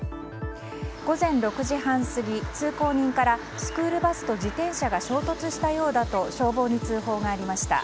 午前６時半過ぎ、通行人からスクールバスと自転車が衝突したようだと消防に通報がありました。